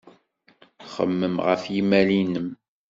Xemmem ɣef yimal-nnem.